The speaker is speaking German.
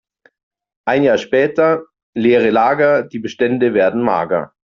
Ein Jahr später: Leere Lager, die Bestände werden mager.